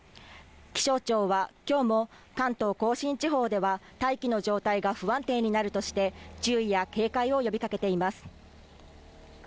気象庁は、今日も関東甲信地方では大気の状態が不安定になるとして注意や警戒を呼びかけています。